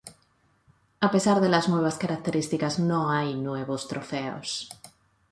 A pesar de las nuevas características, no hay nuevos trofeos.